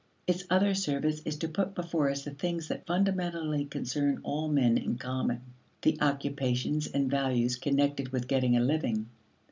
Its other service is to put before us the things that fundamentally concern all men in common the occupations and values connected with getting a living.